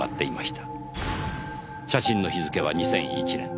写真の日付は２００１年。